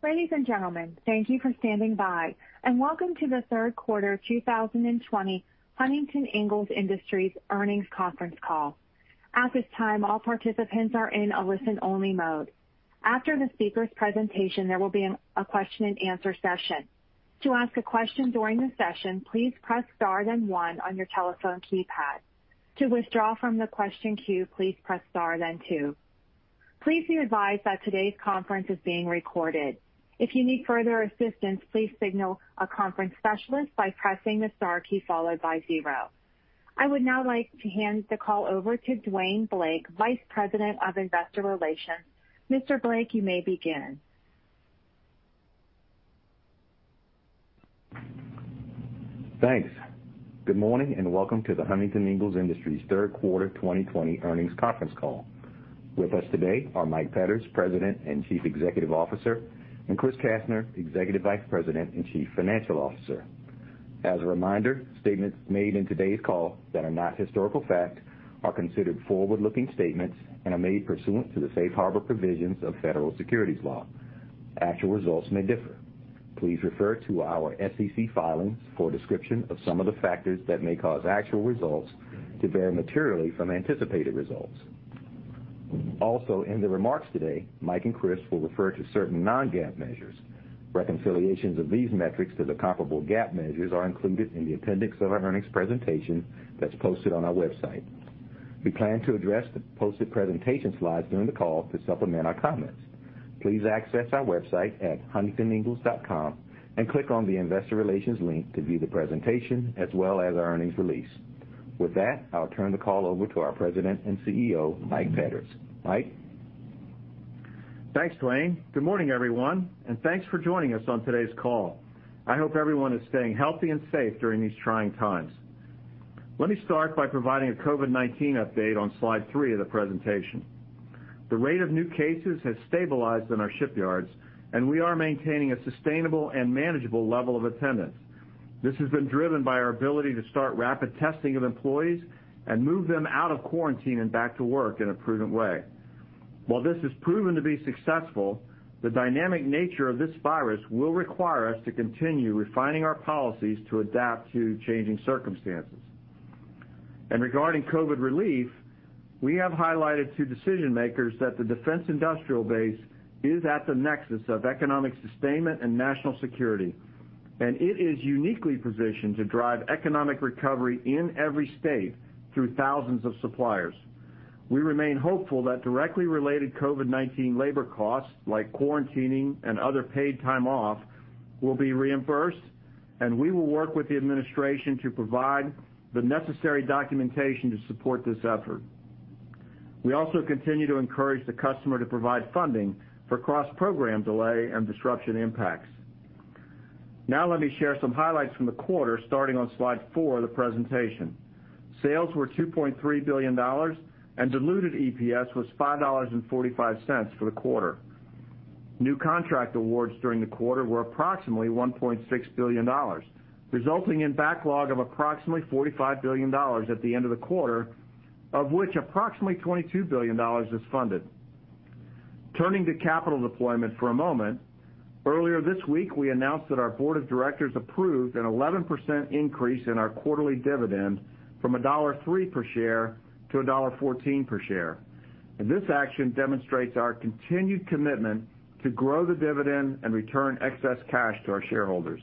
Ladies and gentlemen, thank you for standing by, and welcome to the Huntington Ingalls Industries Q3 2020 Earnings Conference Call. At this time, all participants are in a listen-only mode. After the speaker's presentation, there will be a question-and-answer session. To ask a question during the session, please press star then one on your telephone keypad. To withdraw from the question queue, please press star then two. Please be advised that today's conference is being recorded. If you need further assistance, please signal a conference specialist by pressing the star key followed by zero. I would now like to hand the call over to Dwayne Blake, Vice President of Investor Relations. Mr. Blake, you may begin. Thanks. Good morning and welcome to the Huntington Ingalls Industries Q3 2020 earnings conference call. With us today are Mike Petters, President and Chief Executive Officer, and Chris Kastner, Executive Vice President and Chief Financial Officer. As a reminder, statements made in today's call that are not historical fact are considered forward-looking statements and are made pursuant to the safe harbor provisions of federal securities law. Actual results may differ. Please refer to our SEC filings for a description of some of the factors that may cause actual results to vary materially from anticipated results. Also, in the remarks today, Mike and Chris will refer to certain non-GAAP measures. Reconciliations of these metrics to the comparable GAAP measures are included in the appendix of our earnings presentation that's posted on our website. We plan to address the posted presentation slides during the call to supplement our comments. Please access our website at huntingtoningalls.com and click on the investor relations link to view the presentation as well as our earnings release. With that, I'll turn the call over to our President and CEO, Mike Petters. Mike. Thanks, Dwayne. Good morning, everyone, and thanks for joining us on today's call. I hope everyone is staying healthy and safe during these trying times. Let me start by providing a COVID-19 update on slide three of the presentation. The rate of new cases has stabilized in our shipyards, and we are maintaining a sustainable and manageable level of attendance. This has been driven by our ability to start rapid testing of employees and move them out of quarantine and back to work in a prudent way. While this has proven to be successful, the dynamic nature of this virus will require us to continue refining our policies to adapt to changing circumstances. And regarding COVID relief, we have highlighted to decision makers that the defense industrial base is at the nexus of economic sustainment and national security, and it is uniquely positioned to drive economic recovery in every state through thousands of suppliers. We remain hopeful that directly related COVID-19 labor costs, like quarantining and other paid time off, will be reimbursed, and we will work with the administration to provide the necessary documentation to support this effort. We also continue to encourage the customer to provide funding for cross-program delay and disruption impacts. Now let me share some highlights from the quarter, starting on slide four of the presentation. Sales were $2.3 billion, and diluted EPS was $5.45 for the quarter. New contract awards during the quarter were approximately $1.6 billion, resulting in backlog of approximately $45 billion at the end of the quarter, of which approximately $22 billion is funded. Turning to capital deployment for a moment, earlier this week we announced that our board of directors approved an 11% increase in our quarterly dividend from $1.03 per share to $1.14 per share. This action demonstrates our continued commitment to grow the dividend and return excess cash to our shareholders.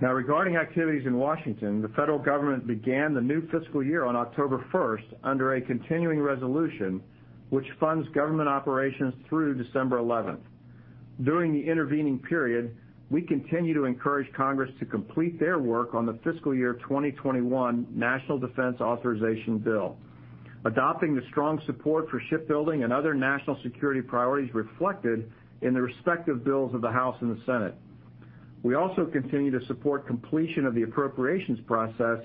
Now regarding activities in Washington, the federal government began the new fiscal year on 1 October under a continuing resolution which funds government operations through 11 December. During the intervening period, we continue to encourage Congress to complete its work on the fiscal year 2021 National Defense Authorization Act, adopting the strong support for shipbuilding and other national security priorities reflected in the respective bills of the House and the Senate. We also continue to support completion of the appropriations process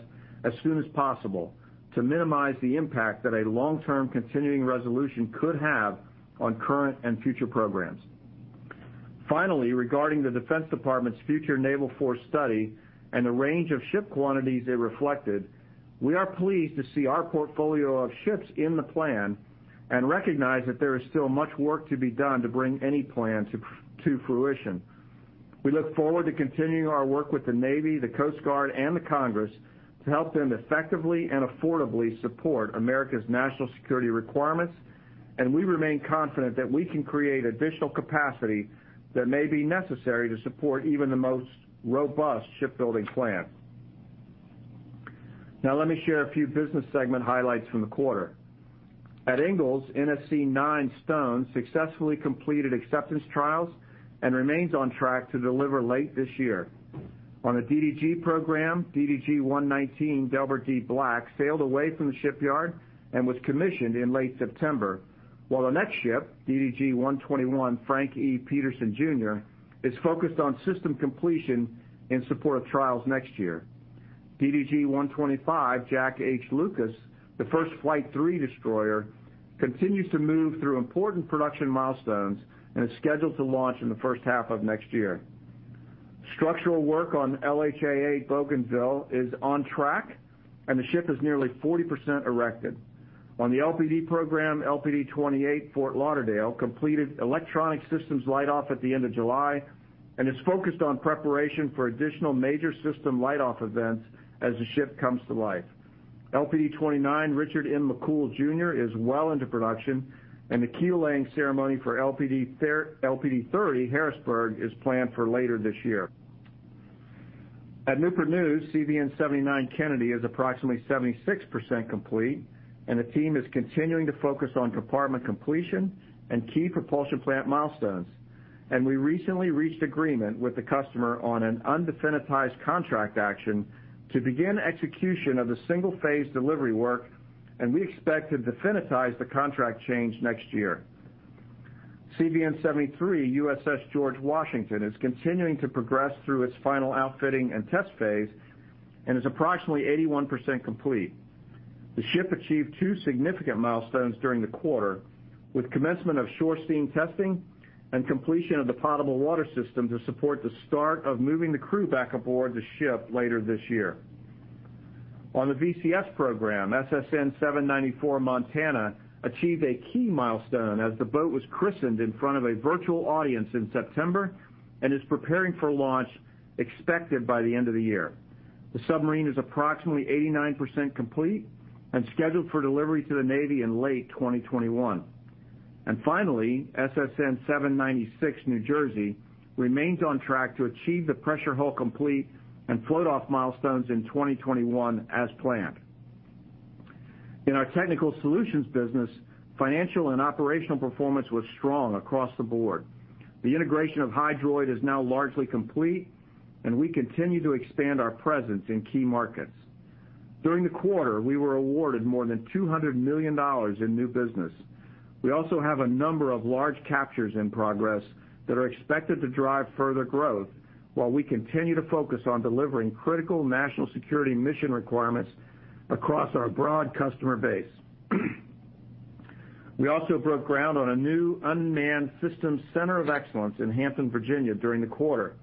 as soon as possible to minimize the impact that a long-term continuing resolution could have on current and future programs. Finally, regarding the Department of Defense's Future Naval Force Study and the range of ship quantities they reflected, we are pleased to see our portfolio of ships in the plan and recognize that there is still much work to be done to bring any plan to fruition. We look forward to continuing our work with the Navy, the Coast Guard, and Congress to help them effectively and affordably support America's national security requirements, and we remain confident that we can create additional capacity that may be necessary to support even the most robust shipbuilding plan. Now let me share a few business segment highlights from the quarter. At Ingalls, NSC 9 Stone successfully completed acceptance trials and remains on track to deliver late this year. On the DDG program, DDG 119 Delbert D. Black sailed away from the shipyard and was commissioned in late September, while the next ship, DDG 121 Frank E. Peterson Jr., is focused on system completion in support of trials next year. DDG 125 Jack H. Lucas, the first Flight III destroyer, continues to move through important production milestones and is scheduled to launch in the first half of next year. Structural work on LHA 8 USS Bougainville is on track, and the ship is nearly 40% erected. On the LPD program, LPD 28 USS Fort Lauderdale completed electronic systems light-off at the end of July and is focused on preparation for additional major system light-off events as the ship comes to life. LPD 29 USS Richard M. McCool Jr. is well into production, and the key laying ceremony for LPD 30 USS Harrisburg is planned for later this year. At Newport News, CVN 79 John F. Kennedy is approximately 76% complete, and the team is continuing to focus on compartment completion and key propulsion plant milestones. We recently reached agreement with the customer on an undefinitized contract action to begin execution of the single phase delivery work, and we expect to definitize the contract change next year. CVN 73 USS George Washington is continuing to progress through its final outfitting and test phase and is approximately 81% complete. The ship achieved two significant milestones during the quarter, with commencement of shore steam testing and completion of the potable water system to support the start of moving the crew back aboard the ship later this year. On the VCS program, SSN 794 USS Montana achieved a key milestone as the boat was christened in front of a virtual audience in September and is preparing for launch expected by the end of the year. The submarine is approximately 89% complete and scheduled for delivery to the Navy in late 2021. And finally, SSN 796 USS New Jersey remains on track to achieve the pressure hull complete and float-off milestones in 2021 as planned. In our Technical Solutions business, financial and operational performance was strong across the board. The integration of Hydroid is now largely complete, and we continue to expand our presence in key markets. During the quarter, we were awarded more than $200 million in new business. We also have a number of large captures in progress that are expected to drive further growth while we continue to focus on delivering critical national security mission requirements across our broad customer base. We also broke ground on a new unmanned systems center of excellence in Hampton, Virginia, during the quarter.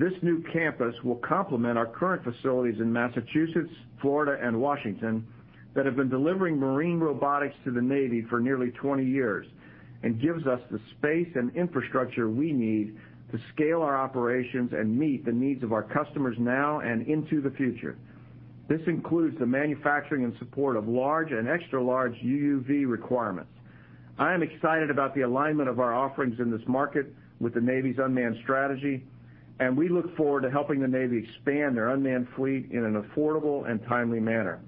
This new campus will complement our current facilities in Massachusetts, Florida, and Washington that have been delivering marine robotics to the Navy for nearly 20 years and gives us the space and infrastructure we need to scale our operations and meet the needs of our customers now and into the future. This includes the manufacturing and support of large and extra-large UUV requirements. I am excited about the alignment of our offerings in this market with the Navy's unmanned strategy, and we look forward to helping the Navy expand their unmanned fleet in an affordable and timely manner.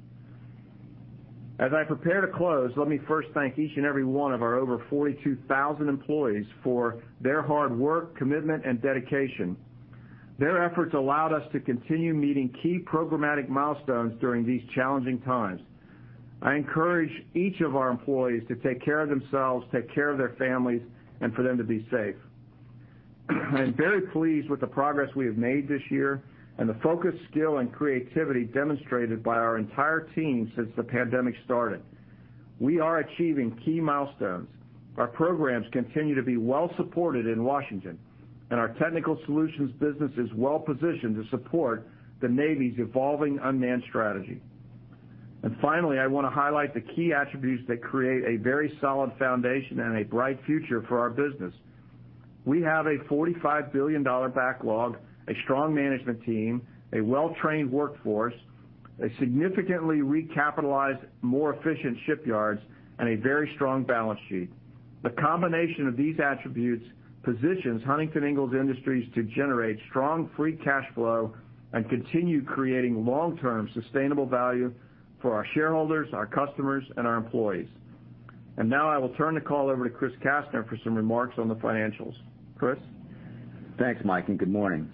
As I prepare to close, let me first thank each and every one of our over 42,000 employees for their hard work, commitment, and dedication. Their efforts allowed us to continue meeting key programmatic milestones during these challenging times. I encourage each of our employees to take care of themselves, take care of their families, and for them to be safe. I am very pleased with the progress we have made this year and the focus, skill, and creativity demonstrated by our entire team since the pandemic started. We are achieving key milestones. Our programs continue to be well supported in Washington, and our technical solutions business is well positioned to support the Navy's evolving unmanned strategy, and finally, I want to highlight the key attributes that create a very solid foundation and a bright future for our business. We have a $45 billion backlog, a strong management team, a well-trained workforce, a significantly recapitalized, more efficient shipyards, and a very strong balance sheet. The combination of these attributes positions Huntington Ingalls Industries to generate strong free cash flow and continue creating long-term sustainable value for our shareholders, our customers, and our employees, and now I will turn the call over to Chris Kastner for some remarks on the financials. Chris. Thanks, Mike, and good morning.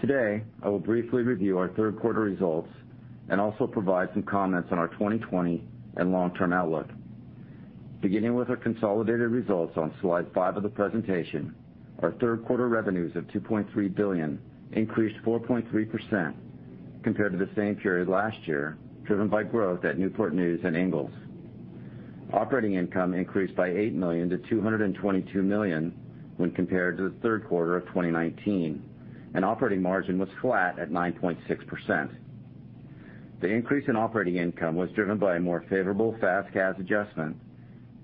Today, I will briefly review our Q3 results and also provide some comments on our 2020 and long-term outlook. Beginning with our consolidated results on slide five of the presentation, our Q3 revenues of $2.3 billion increased 4.3% compared to the same period last year, driven by growth at Newport News and Ingalls. Operating income increased by $8 million to $222 million when compared to the Q3 of 2019, and operating margin was flat at 9.6%. The increase in operating income was driven by a more favorable FAS/CAS adjustment,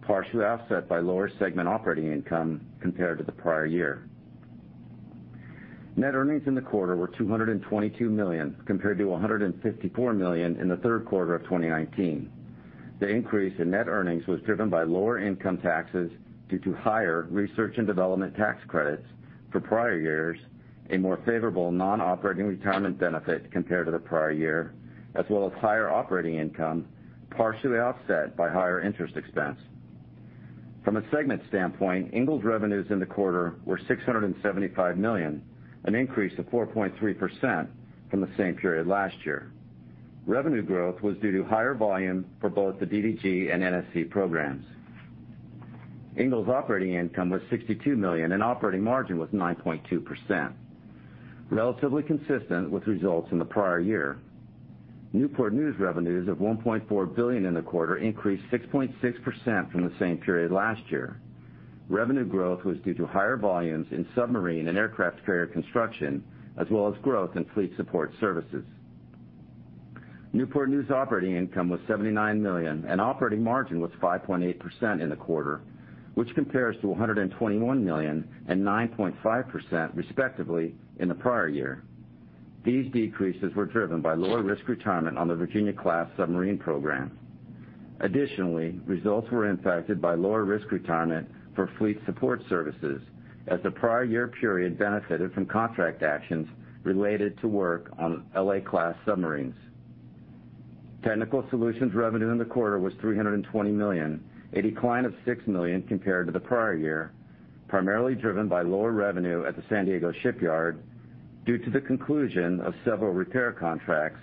partially offset by lower segment operating income compared to the prior year. Net earnings in the quarter were $222 million compared to $154 million in the Q3 of 2019. The increase in net earnings was driven by lower income taxes due to higher research and development tax credits for prior years, a more favorable non-operating retirement benefit compared to the prior year, as well as higher operating income, partially offset by higher interest expense. From a segment standpoint, Ingalls revenues in the quarter were $675 million, an increase of 4.3% from the same period last year. Revenue growth was due to higher volume for both the DDG and NSC programs. Ingalls operating income was $62 million, and operating margin was 9.2%, relatively consistent with results in the prior year. Newport News revenues of $1.4 billion in the quarter increased 6.6% from the same period last year. Revenue growth was due to higher volumes in submarine and aircraft carrier construction, as well as growth in fleet support services. Newport News operating income was $79 million, and operating margin was 5.8% in the quarter, which compares to $121 million and 9.5% respectively in the prior year. These decreases were driven by lower risk retirement on the Virginia Class submarine program. Additionally, results were impacted by lower risk retirement for fleet support services, as the prior year period benefited from contract actions related to work on LA Class submarines. Technical Solutions revenue in the quarter was $320 million, a decline of $6 million compared to the prior year, primarily driven by lower revenue at the San Diego shipyard due to the conclusion of several repair contracts,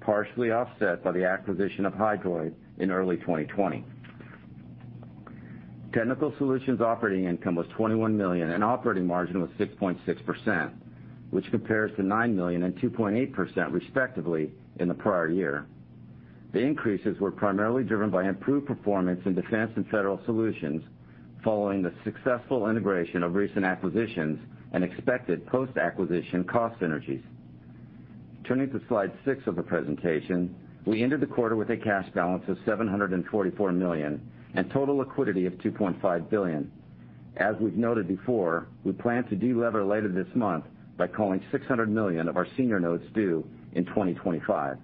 partially offset by the acquisition of Hydroid in early 2020. Technical Solutions operating income was $21 million, and operating margin was 6.6%, which compares to $9 million and 2.8% respectively in the prior year. The increases were primarily driven by improved performance in defense and federal solutions following the successful integration of recent acquisitions and expected post-acquisition cost synergies. Turning to slide six of the presentation, we ended the quarter with a cash balance of $744 million and total liquidity of $2.5 billion. As we've noted before, we plan to delever later this month by calling $600 million of our senior notes due in 2025.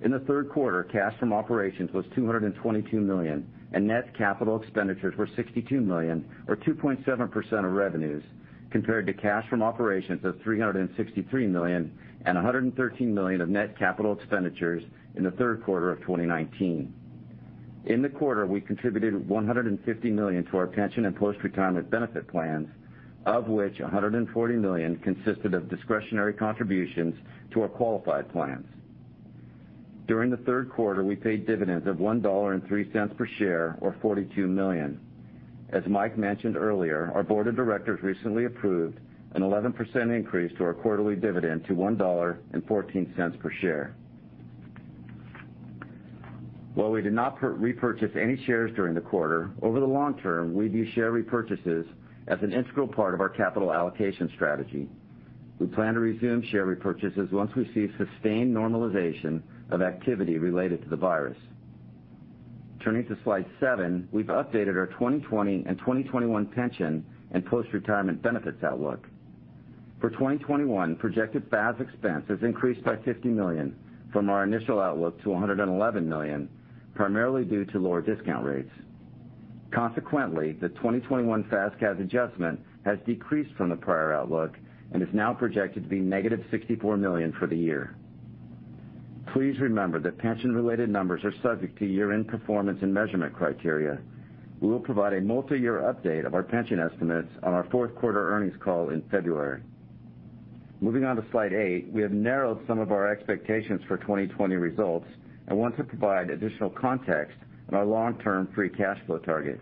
In the Q3, cash from operations was $222 million, and net capital expenditures were $62 million, or 2.7% of revenues, compared to cash from operations of $363 million and $113 million of net capital expenditures in the Q3 of 2019. In the quarter, we contributed $150 million to our pension and post-retirement benefit plans, of which $140 million consisted of discretionary contributions to our qualified plans. During the Q3, we paid dividends of $1.03 per share, or $42 million. As Mike mentioned earlier, our board of directors recently approved an 11% increase to our quarterly dividend to $1.14 per share. While we did not repurchase any shares during the quarter, over the long term, we view share repurchases as an integral part of our capital allocation strategy. We plan to resume share repurchases once we see sustained normalization of activity related to the virus. Turning to slide seven, we've updated our 2020 and 2021 pension and post-retirement benefits outlook. For 2021, projected FAS expense has increased by $50 million from our initial outlook to $111 million, primarily due to lower discount rates. Consequently, the 2021 FAS/CAS adjustment has decreased from the prior outlook and is now projected to be negative $64 million for the year. Please remember that pension-related numbers are subject to year-end performance and measurement criteria. We will provide a multi-year update of our pension estimates on our fourth quarter earnings call in February. Moving on to slide eight, we have narrowed some of our expectations for 2020 results and want to provide additional context on our long-term free cash flow target.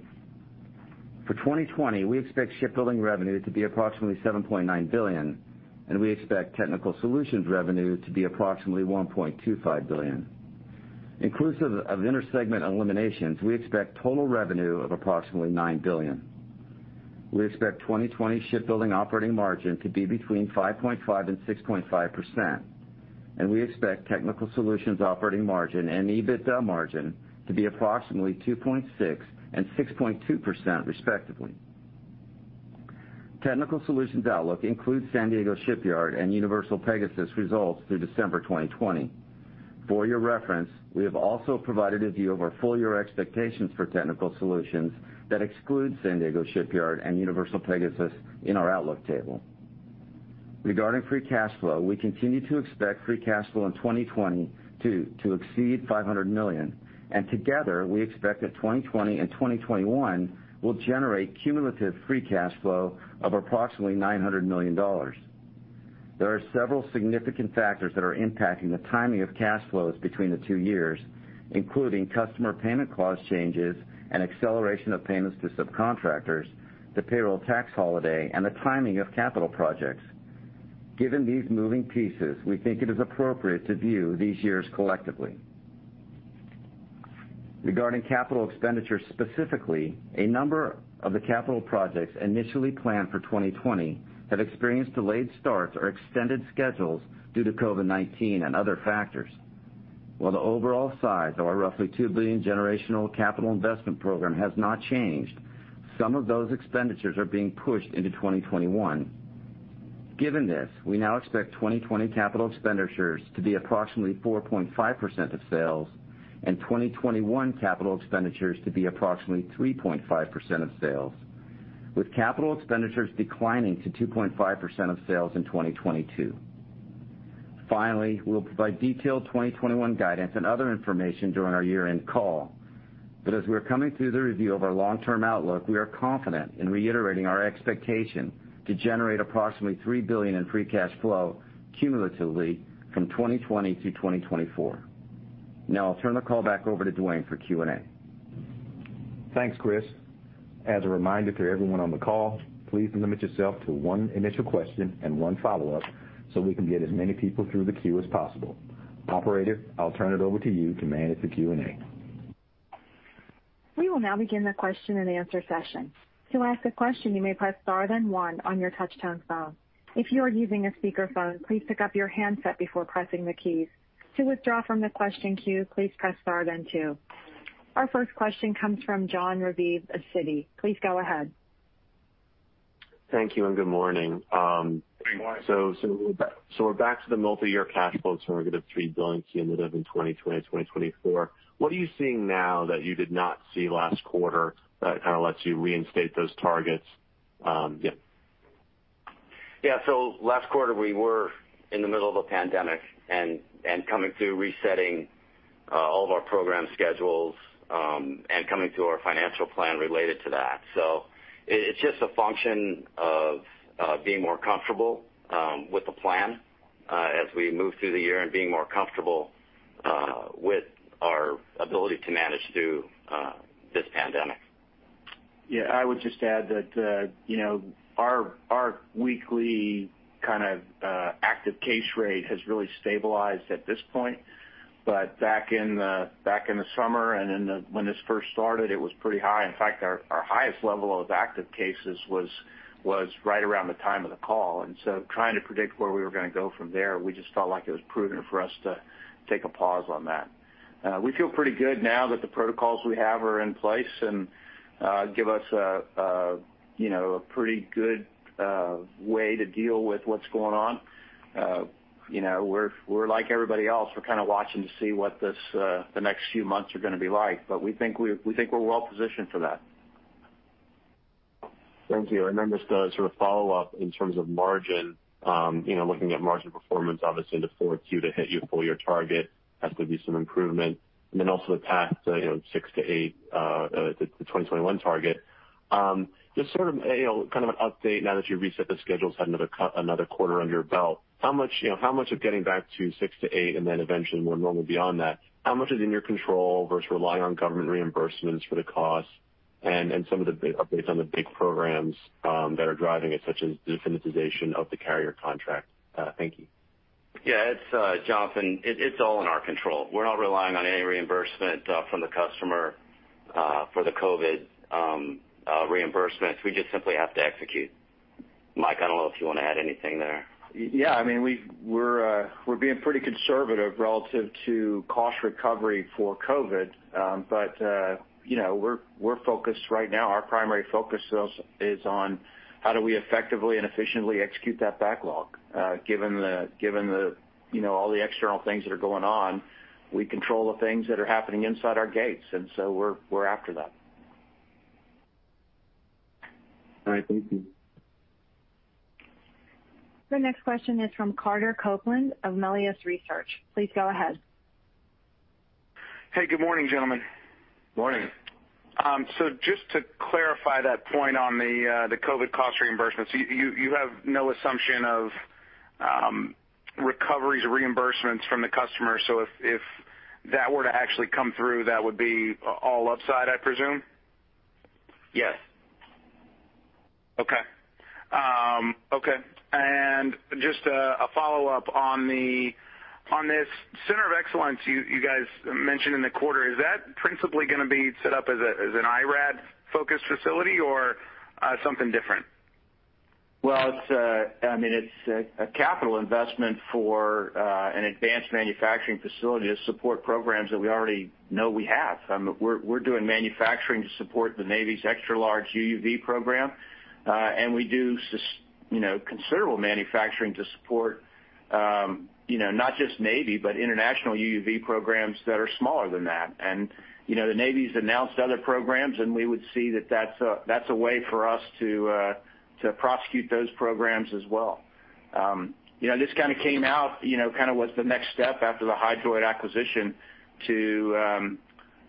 For 2020, we expect shipbuilding revenue to be approximately $7.9 billion, and we expect Technical Solutions revenue to be approximately $1.25 billion. Inclusive of intersegment eliminations, we expect total revenue of approximately $9 billion. We expect 2020 shipbuilding operating margin to be between 5.5%-6.5%, and we expect Technical Solutions operating margin and EBITDA margin to be approximately 2.6% and 6.2% respectively. Technical solutions outlook includes San Diego Shipyard and UniversalPegasus results through December 2020. For your reference, we have also provided a view of our full-year expectations for Technical Solutions that exclude San Diego Shipyard and Universal Pegasus in our outlook table. Regarding free cash flow, we continue to expect free cash flow in 2020 to exceed $500 million, and together we expect that 2020 and 2021 will generate cumulative free cash flow of approximately $900 million. There are several significant factors that are impacting the timing of cash flows between the two years, including customer payment clause changes and acceleration of payments to subcontractors, the payroll tax holiday, and the timing of capital projects. Given these moving pieces, we think it is appropriate to view these years collectively. Regarding capital expenditures specifically, a number of the capital projects initially planned for 2020 have experienced delayed starts or extended schedules due to COVID-19 and other factors. While the overall size of our roughly $2 billion generational capital investment program has not changed, some of those expenditures are being pushed into 2021. Given this, we now expect 2020 capital expenditures to be approximately 4.5% of sales and 2021 capital expenditures to be approximately 3.5% of sales, with capital expenditures declining to 2.5% of sales in 2022. Finally, we'll provide detailed 2021 guidance and other information during our year-end call, but as we're coming through the review of our long-term outlook, we are confident in reiterating our expectation to generate approximately $3 billion in free cash flow cumulatively from 2020 to 2024. Now I'll turn the call back over to Dwayne for Q&A. Thanks, Chris. As a reminder to everyone on the call, please limit yourself to one initial question and one follow-up so we can get as many people through the queue as possible. Operator, I'll turn it over to you to manage the Q&A. We will now begin the question and answer session. To ask a question, you may press star then one on your touch-tone phone. If you are using a speakerphone, please pick up your handset before pressing the keys. To withdraw from the question queue, please press star then two. Our first question comes from John Raviv, Citi. Please go ahead. Thank you and good morning. So we're back to the multi-year cash flow target of $3 billion cumulative in 2020 and 2024. What are you seeing now that you did not see last quarter that kind of lets you reinstate those targets? Yeah. Yeah, so last quarter we were in the middle of a pandemic and coming through, resetting all of our program schedules and coming through our financial plan related to that. So it's just a function of being more comfortable with the plan as we move through the year and being more comfortable with our ability to manage through this pandemic. Yeah, I would just add that our weekly kind of active case rate has really stabilized at this point, but back in the summer and when this first started, it was pretty high. In fact, our highest level of active cases was right around the time of the call. And so trying to predict where we were going to go from there, we just felt like it was prudent for us to take a pause on that. We feel pretty good now that the protocols we have are in place and give us a pretty good way to deal with what's going on. We're like everybody else. We're kind of watching to see what the next few months are going to be like, but we think we're well positioned for that. Thank you. And then just to sort of follow up in terms of margin, looking at margin performance, obviously the fourth year to hit your full-year target has to be some improvement. And then also the past six to eight, the 2021 target. Just sort of kind of an update now that you've reset the schedules, had another quarter under your belt. How much of getting back to six to eight and then eventually more normal beyond that, how much is in your control versus relying on government reimbursements for the cost and some of the updates on the big programs that are driving it, such as the incentivization of the carrier contract? Thank you. Yeah, it's Jonathan. It's all in our control. We're not relying on any reimbursement from the customer for the COVID reimbursements. We just simply have to execute. Mike, I don't know if you want to add anything there. Yeah, I mean, we're being pretty conservative relative to cost recovery for COVID, but we're focused right now. Our primary focus is on how do we effectively and efficiently execute that backlog. Given all the external things that are going on, we control the things that are happening inside our gates, and so we're after that. All right, thank you. The next question is from Carter Copeland of Melius Research. Please go ahead. Hey, good morning, gentlemen. Morning. So just to clarify that point on the COVID cost reimbursements, you have no assumption of recoveries or reimbursements from the customer. So if that were to actually come through, that would be all upside, I presume? Yes. Okay. And just a follow-up on this. Center of Excellence you guys mentioned in the quarter, is that principally going to be set up as an IRAD-focused facility or something different? Well, I mean, it's a capital investment for an advanced manufacturing facility to support programs that we already know we have. We're doing manufacturing to support the Navy's extra-large UUV program, and we do considerable manufacturing to support not just Navy, but international UUV programs that are smaller than that. And the Navy's announced other programs, and we would see that that's a way for us to prosecute those programs as well. This kind of came out, kind of was the next step after the Hydroid acquisition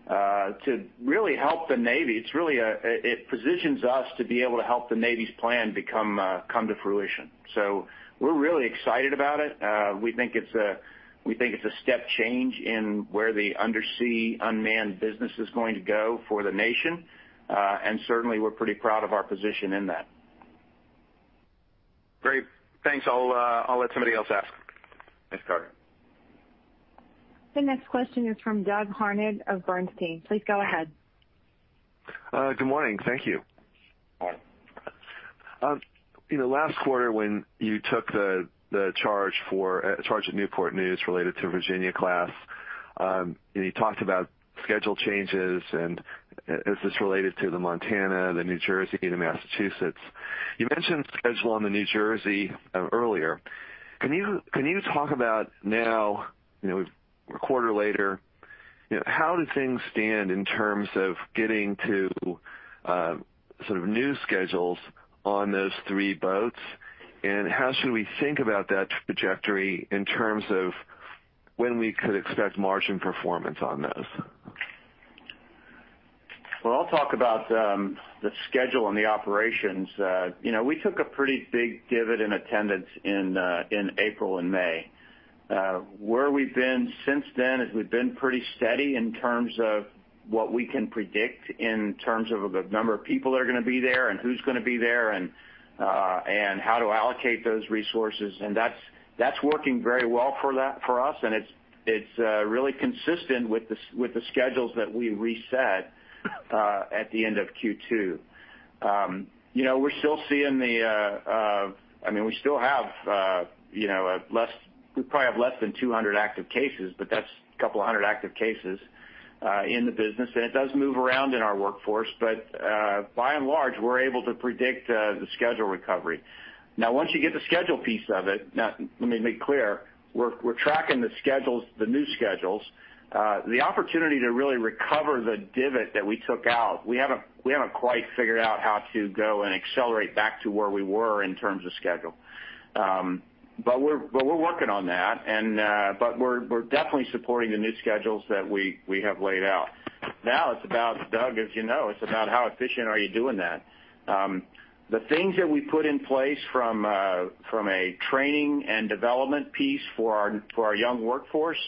to really help the Navy. It positions us to be able to help the Navy's plan become to fruition. So we're really excited about it. We think it's a step change in where the undersea unmanned business is going to go for the nation, and certainly we're pretty proud of our position in that. Great. Thanks. I'll let somebody else ask. Thanks, Carter. The next question is from Doug Harned of Bernstein. Please go ahead. Good morning. Thank you. Last quarter, when you took the charge at Newport News related to Virginia-class, and you talked about schedule changes and is this related to the Montana, the New Jersey, and the Massachusetts. You mentioned schedule on the New Jersey earlier. Can you talk about now, a quarter later, how do things stand in terms of getting to sort of new schedules on those three boats, and how should we think about that trajectory in terms of when we could expect margin performance on those? I'll talk about the schedule and the operations. We took a pretty big divot in attendance in April and May. Where we've been since then is we've been pretty steady in terms of what we can predict in terms of the number of people that are going to be there and who's going to be there and how to allocate those resources. That's working very well for us, and it's really consistent with the schedules that we reset at the end of Q2. We're still seeing the. I mean, we probably have less than 200 active cases, but that's a couple of hundred active cases in the business, and it does move around in our workforce, but by and large, we're able to predict the schedule recovery. Now, once you get the schedule piece of it, let me make clear, we're tracking the new schedules. The opportunity to really recover the divot that we took out, we haven't quite figured out how to go and accelerate back to where we were in terms of schedule. But we're working on that, but we're definitely supporting the new schedules that we have laid out. Now, it's about, Doug, as you know, it's about how efficient are you doing that. The things that we put in place from a training and development piece for our young workforce,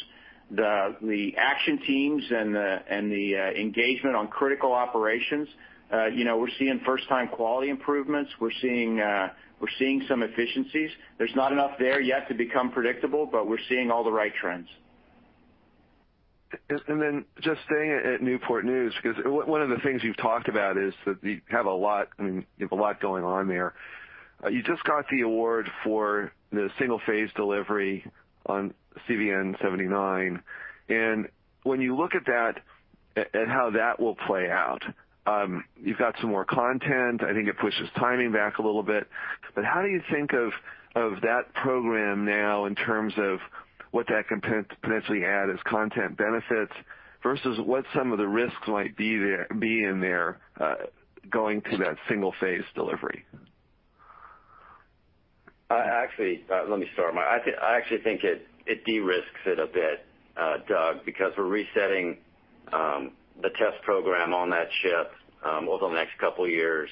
the action teams and the engagement on critical operations, we're seeing first-time quality improvements. We're seeing some efficiencies. There's not enough there yet to become predictable, but we're seeing all the right trends. And then, just staying at Newport News, because one of the things you've talked about is that you have a lot. I mean, you have a lot going on there. You just got the award for the single-phase delivery on CVN 79. And when you look at that and how that will play out, you've got some more content. I think it pushes timing back a little bit. But how do you think of that program now in terms of what that can potentially add as content benefits versus what some of the risks might be in there going to that single-phase delivery? Actually, let me start. I actually think it de-risks it a bit, Doug, because we're resetting the test program on that ship over the next couple of years.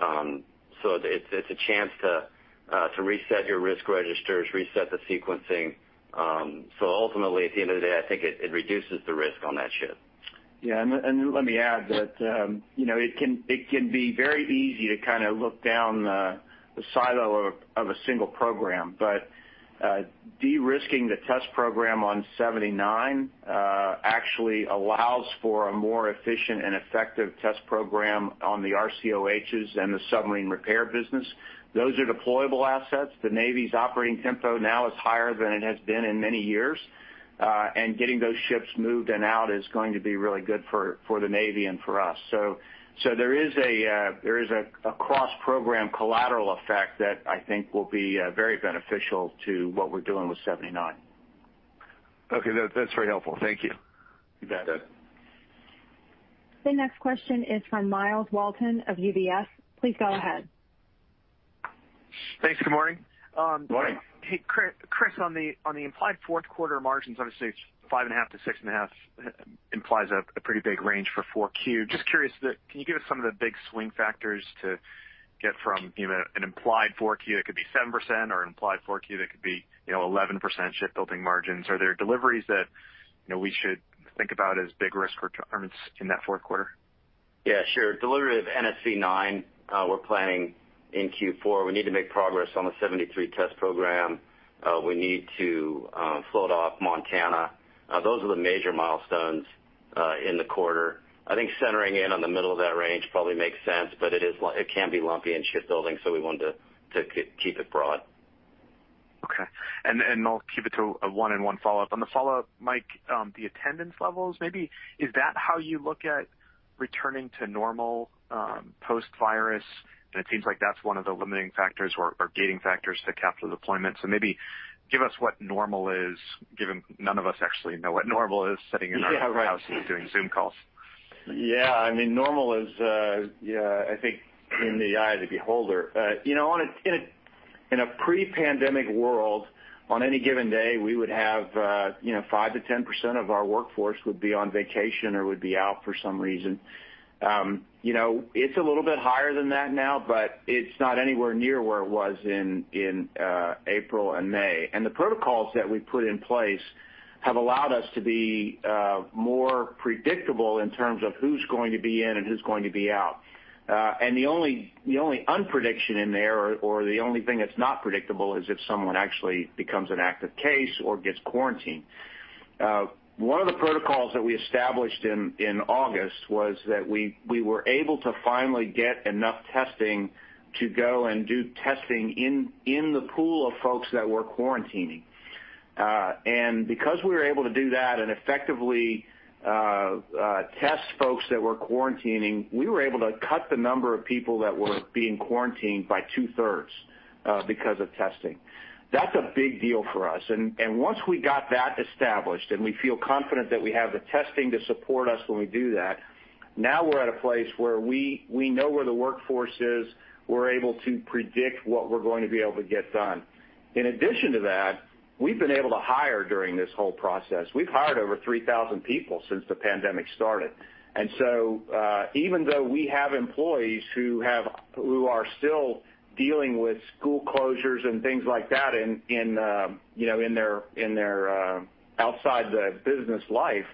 So it's a chance to reset your risk registers, reset the sequencing. So ultimately, at the end of the day, I think it reduces the risk on that ship. Yeah, and let me add that it can be very easy to kind of look down the silo of a single program, but de-risking the test program on 79 actually allows for a more efficient and effective test program on the RCOHs and the submarine repair business. Those are deployable assets. The Navy's operating tempo now is higher than it has been in many years, and getting those ships moved and out is going to be really good for the Navy and for us, so there is a cross-program collateral effect that I think will be very beneficial to what we're doing with 79. Okay. That's very helpful. Thank you. You bet. The next question is from Miles Walton of UBS. Please go ahead. Thanks. Good morning. Good morning. Hey, Chris, on the implied fourth quarter margins, obviously, it's 5.5%-6.5%, implies a pretty big range for 4Q. Just curious, can you give us some of the big swing factors to get from an implied 4Q that could be 7% or an implied 4Q that could be 11% shipbuilding margins? Are there deliveries that we should think about as big risk returns in that fourth quarter? Yeah, sure. Delivery of NSC 9 we're planning in Q4. We need to make progress on the CVN 73 test program. We need to float off Montana. Those are the major milestones in the quarter. I think centering in on the middle of that range probably makes sense, but it can be lumpy in shipbuilding, so we want to keep it broad. Okay. And I'll keep it to a one-on-one follow-up. On the follow-up, Mike, the attendance levels, maybe is that how you look at returning to normal post-virus? And it seems like that's one of the limiting factors or gating factors to capture deployment. So maybe give us what normal is, given none of us actually know what normal is, sitting in our houses doing Zoom calls. Yeah. I mean, normal is, I think, in the eye of the beholder. In a pre-pandemic world, on any given day, we would have 5%-10% of our workforce would be on vacation or would be out for some reason. It's a little bit higher than that now, but it's not anywhere near where it was in April and May. And the protocols that we put in place have allowed us to be more predictable in terms of who's going to be in and who's going to be out. And the only unprediction in there, or the only thing that's not predictable, is if someone actually becomes an active case or gets quarantined. One of the protocols that we established in August was that we were able to finally get enough testing to go and do testing in the pool of folks that were quarantining. Because we were able to do that and effectively test folks that were quarantining, we were able to cut the number of people that were being quarantined by two-thirds because of testing. That's a big deal for us. Once we got that established and we feel confident that we have the testing to support us when we do that, now we're at a place where we know where the workforce is. We're able to predict what we're going to be able to get done. In addition to that, we've been able to hire during this whole process. We've hired over 3,000 people since the pandemic started. Even though we have employees who are still dealing with school closures and things like that in their outside the business life,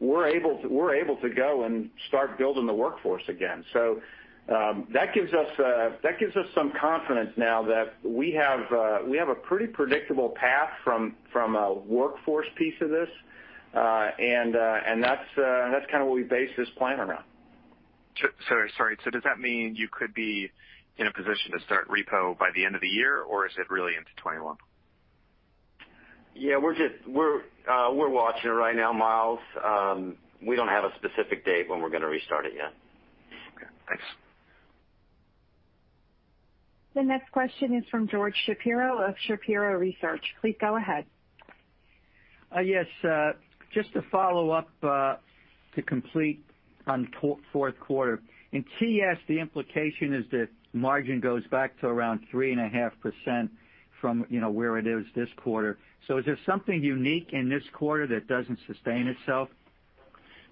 we're able to go and start building the workforce again. So that gives us some confidence now that we have a pretty predictable path from a workforce piece of this, and that's kind of what we base this plan around. Sorry. So does that mean you could be in a position to start repurchases by the end of the year, or is it really into 2021? Yeah. We're watching it right now, Miles. We don't have a specific date when we're going to restart it yet. Okay. Thanks. The next question is from George Shapiro of Shapiro Research. Please go ahead. Yes. Just to follow up to complete on fourth quarter. In TS, the implication is that margin goes back to around 3.5% from where it is this quarter. So is there something unique in this quarter that doesn't sustain itself?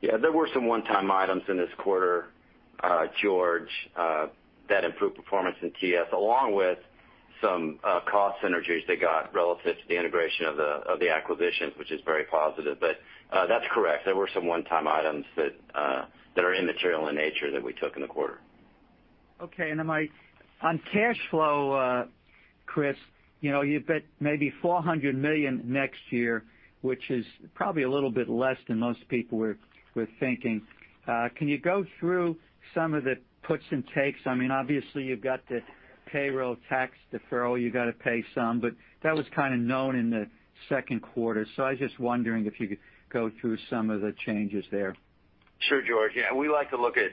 Yeah. There were some one-time items in this quarter, George, that improved performance in TS, along with some cost synergies they got relative to the integration of the acquisitions, which is very positive. But that's correct. There were some one-time items that are immaterial in nature that we took in the quarter. Okay, and Mike, on cash flow, Chris, you bet maybe $400 million next year, which is probably a little bit less than most people were thinking. Can you go through some of the puts and takes? I mean, obviously, you've got the payroll tax deferral. You got to pay some, but that was kind of known in the second quarter, so I was just wondering if you could go through some of the changes there. Sure, George. Yeah. We like to look at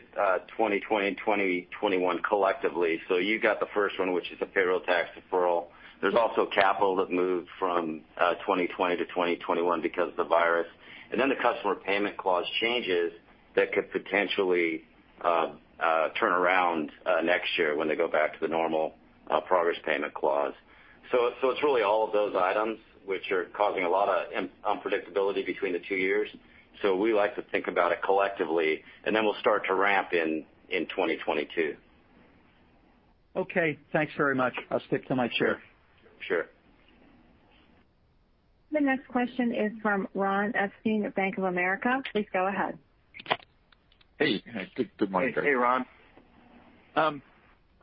2020 and 2021 collectively. So you've got the first one, which is the payroll tax deferral. There's also capital that moved from 2020 to 2021 because of the virus. And then the customer payment clause changes that could potentially turn around next year when they go back to the normal progress payment clause. So it's really all of those items which are causing a lot of unpredictability between the two years. So we like to think about it collectively, and then we'll start to ramp in 2022. Okay. Thanks very much. I'll stick to my chair. Sure. The next question is from Ron Epstein at Bank of America. Please go ahead. Hey. Good morning, George. Hey, Ron.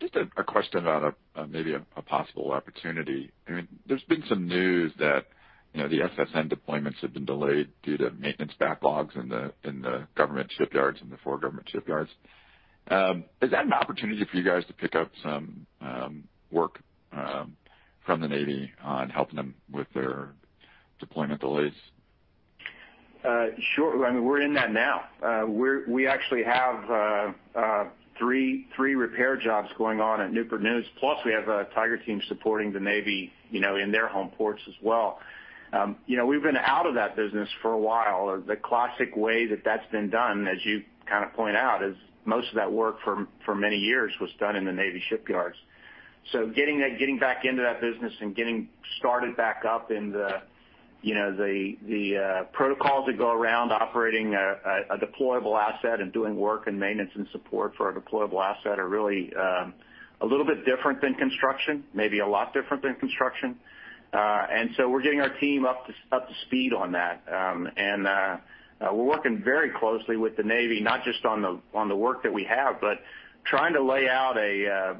Just a question about maybe a possible opportunity. There's been some news that the SSN deployments have been delayed due to maintenance backlogs in the government shipyards and the foreign government shipyards. Is that an opportunity for you guys to pick up some work from the Navy on helping them with their deployment delays? Sure. I mean, we're in that now. We actually have three repair jobs going on at Newport News, plus we have a Tiger Team supporting the Navy in their home ports as well. We've been out of that business for a while. The classic way that that's been done, as you kind of point out, is most of that work for many years was done in the Navy shipyards. So getting back into that business and getting started back up in the protocols that go around operating a deployable asset and doing work and maintenance and support for a deployable asset are really a little bit different than construction, maybe a lot different than construction. And so we're getting our team up to speed on that. We're working very closely with the Navy, not just on the work that we have, but trying to lay out a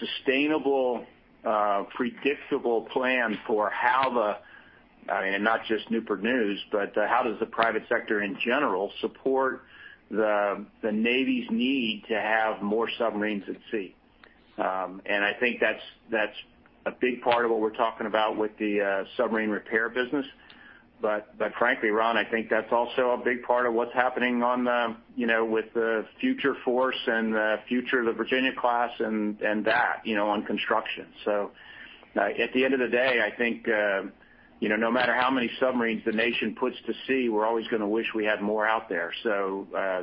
sustainable, predictable plan for how the—I mean—not just Newport News, but how does the private sector in general support the Navy's need to have more submarines at sea. I think that's a big part of what we're talking about with the submarine repair business. Frankly, Ron, I think that's also a big part of what's happening with the future force and the future of the Virginia class and that on construction. At the end of the day, I think no matter how many submarines the nation puts to sea, we're always going to wish we had more out there.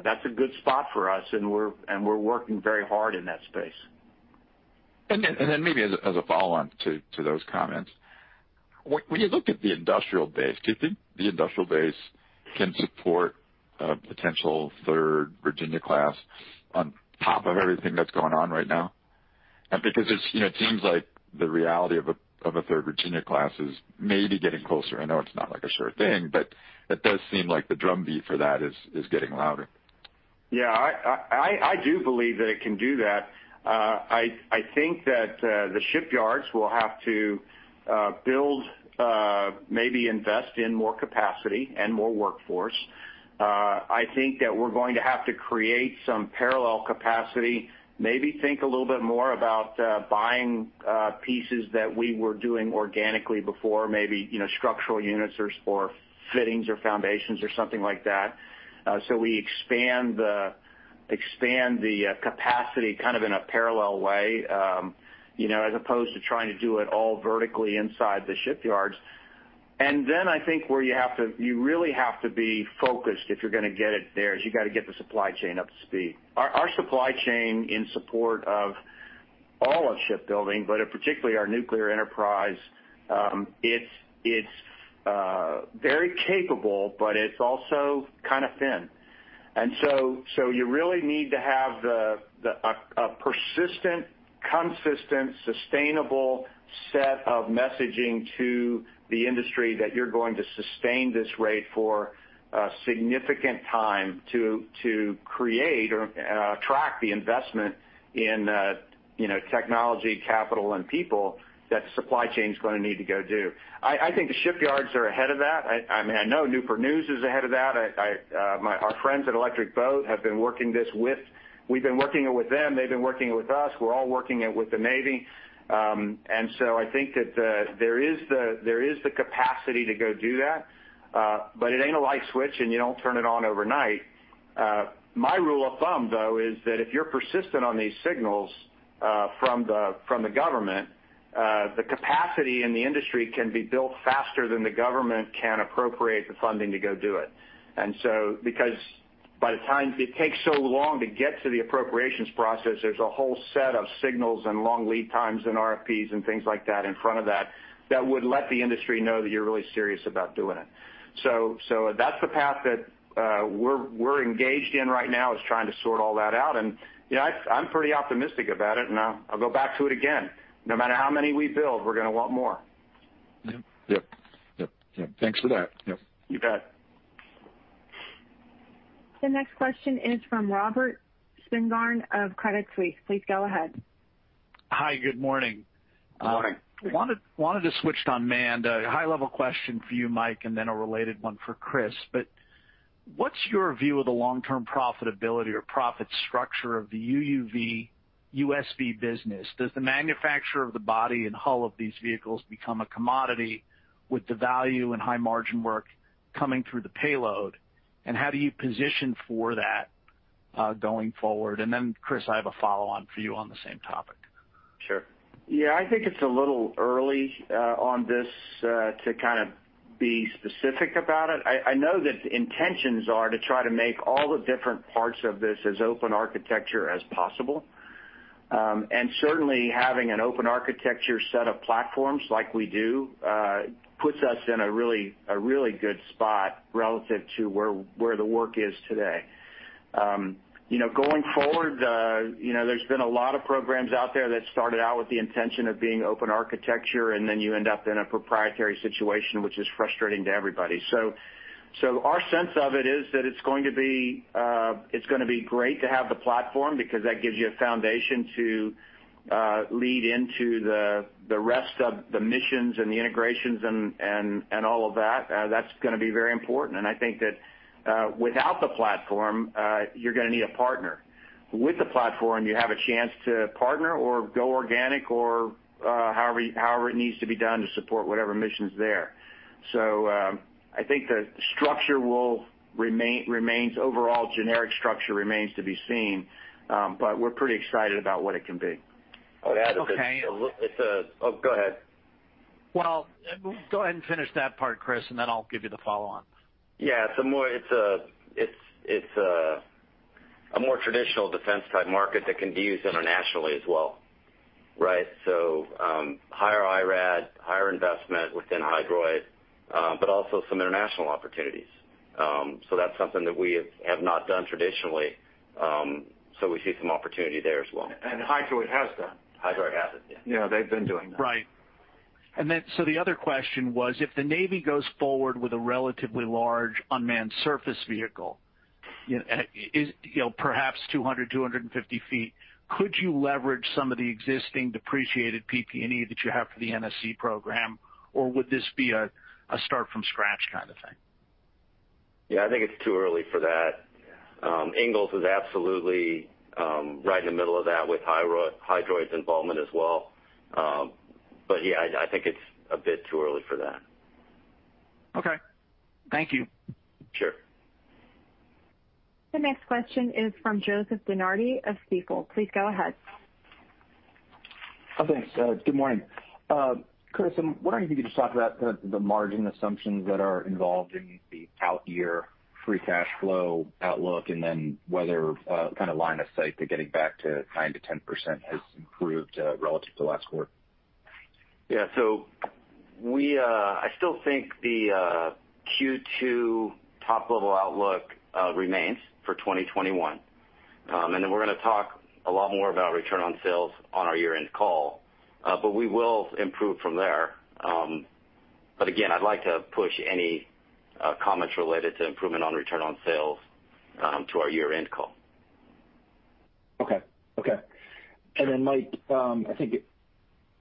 That's a good spot for us, and we're working very hard in that space. Then maybe as a follow-on to those comments, when you look at the industrial base, do you think the industrial base can support a potential third Virginia-class on top of everything that's going on right now? Because it seems like the reality of a third Virginia-class is maybe getting closer. I know it's not like a sure thing, but it does seem like the drumbeat for that is getting louder. Yeah. I do believe that it can do that. I think that the shipyards will have to build, maybe invest in more capacity and more workforce. I think that we're going to have to create some parallel capacity, maybe think a little bit more about buying pieces that we were doing organically before, maybe structural units or fittings or foundations or something like that. So we expand the capacity kind of in a parallel way as opposed to trying to do it all vertically inside the shipyards. And then I think where you really have to be focused if you're going to get it there is you got to get the supply chain up to speed. Our supply chain in support of all of shipbuilding, but particularly our nuclear enterprise, it's very capable, but it's also kind of thin. And so you really need to have a persistent, consistent, sustainable set of messaging to the industry that you're going to sustain this rate for a significant time to create or attract the investment in technology, capital, and people that the supply chain is going to need to go do. I think the shipyards are ahead of that. I mean, I know Newport News is ahead of that. Our friends at Electric Boat have been working this with us. We've been working it with them. They've been working it with us. We're all working it with the Navy. And so I think that there is the capacity to go do that, but it ain't a light switch, and you don't turn it on overnight. My rule of thumb, though, is that if you're persistent on these signals from the government, the capacity in the industry can be built faster than the government can appropriate the funding to go do it. And so because by the time it takes so long to get to the appropriations process, there's a whole set of signals and long lead times and RFPs and things like that in front of that that would let the industry know that you're really serious about doing it. So that's the path that we're engaged in right now is trying to sort all that out. And I'm pretty optimistic about it, and I'll go back to it again. No matter how many we build, we're going to want more. Yep. Thanks for that. You bet. The next question is from Robert Spingarn of Credit Suisse. Please go ahead. Hi. Good morning. Good morning. Wanted to switch to Amanda. High-level question for you, Mike, and then a related one for Chris. But what's your view of the long-term profitability or profit structure of the UUV USV business? Does the manufacture of the body and hull of these vehicles become a commodity with the value and high-margin work coming through the payload? And how do you position for that going forward? And then, Chris, I have a follow-on for you on the same topic. Sure. Yeah. I think it's a little early on this to kind of be specific about it. I know that the intentions are to try to make all the different parts of this as open architecture as possible. And certainly, having an open architecture set of platforms like we do puts us in a really good spot relative to where the work is today. Going forward, there's been a lot of programs out there that started out with the intention of being open architecture, and then you end up in a proprietary situation, which is frustrating to everybody. So our sense of it is that it's going to be great to have the platform because that gives you a foundation to lead into the rest of the missions and the integrations and all of that. That's going to be very important. I think that without the platform, you're going to need a partner. With the platform, you have a chance to partner or go organic or however it needs to be done to support whatever mission's there. I think the overall generic structure remains to be seen, but we're pretty excited about what it can be. Oh, that is a. Oh, go ahead. Well, go ahead and finish that part, Chris, and then I'll give you the follow-on. Yeah. It's a more traditional defense-type market that can be used internationally as well, right? So higher IRAD, higher investment within Hydroid, but also some international opportunities. So that's something that we have not done traditionally. So we see some opportunity there as well. Hydroid has done. Hydroid has it, yeah. Yeah. They've been doing that. Right. And then so the other question was, if the Navy goes forward with a relatively large unmanned surface vehicle, perhaps 200-250 feet, could you leverage some of the existing depreciated PP&E that you have for the NSC program, or would this be a start from scratch kind of thing? Yeah. I think it's too early for that. Ingalls is absolutely right in the middle of that with Hydroid's involvement as well. But yeah, I think it's a bit too early for that. Okay. Thank you. Sure. The next question is from Joseph DeNardi of Stifel. Please go ahead. Hi, thanks. Good morning. Chris, what are you thinking? Just talk about the margin assumptions that are involved in the out-year free cash flow outlook and then whether kind of line of sight to getting back to 9%-10% has improved relative to last quarter. Yeah. So I still think the Q2 top-level outlook remains for 2021. And then we're going to talk a lot more about return on sales on our year-end call, but we will improve from there. But again, I'd like to push any comments related to improvement on return on sales to our year-end call. Okay. And then, Mike, I think